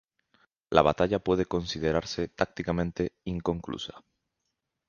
La batalla puede considerarse tácticamente inconclusa.